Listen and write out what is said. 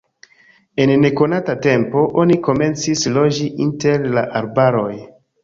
En nekonata tempo oni komencis loĝi inter la arbaroj.